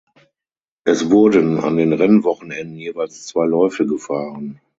Es wurden an den Rennwochenenden jeweils zwei Läufe gefahren.